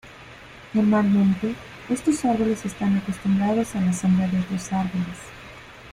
Normalmente, estos árboles están acostumbrados a la sombra de otros árboles.